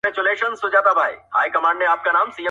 ځان وړوکی لکه سوی راته ښکاریږي!!